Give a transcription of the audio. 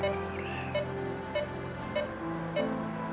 maurel dan mas